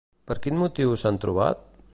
Per quin motiu s'han trobat?